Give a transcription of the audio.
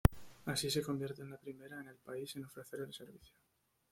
Así se convierte en la primera en el país en ofrecer el servicio.